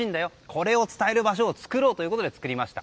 これを伝える場所を作ろうということで作りました。